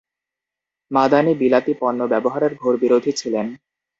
মাদানি বিলাতি পণ্য ব্যবহারের ঘাের বিরােধী ছিলেন।